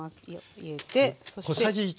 入れてそして。